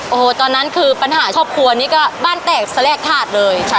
โอ้โหตอนนั้นคือปัญหาครอบครัวนี้ก็บ้านแตกแสลกถาดเลย